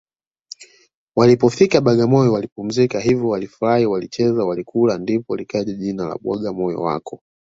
Walipofika Bagamoyo walipumzika hivyo walifurahi walicheza walikula ndipo likaja jina la bwagamoyo wako